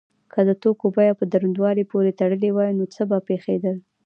که د توکو بیه په دروندوالي پورې تړلی وای نو څه به پیښیدل؟